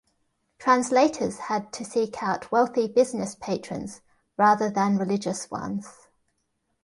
Translators had to seek out wealthy business patrons rather than religious ones.